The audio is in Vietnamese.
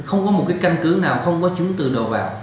không có một cái căn cứ nào không có chứng từ đầu vào